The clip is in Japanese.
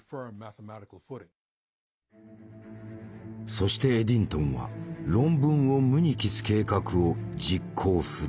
そしてエディントンは論文を無に帰す計画を実行する。